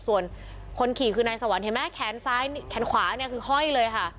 ส่วนคนขี่คือนายสวรรค์เห็นไหมแขนซ้ายแขนขวาเนี่ยคือห้อยเลยค่ะ